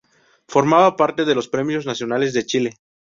Formaba parte de los Premios Nacionales de Chile.